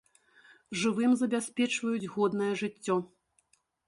Жывым забяспечваюць годнае жыццё.